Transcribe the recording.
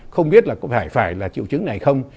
không biết là cũng phải là triệu chứng này không